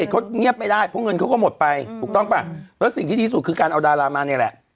เขาก็หมดไปถูกต้องปะแล้วสิ่งที่ดีสูตรคือการเอาดารามาในแหละ